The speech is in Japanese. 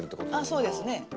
あっそうですね。